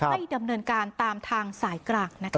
ไม่ดำเนินการตามทางสายกราก